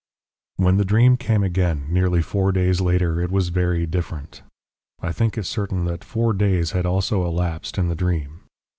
"When the dream came again, nearly four days later, it was very different. I think it certain that four days had also elapsed in the dream.